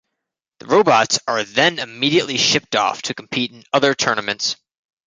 The robots are then immediately shipped off to compete in other tournaments.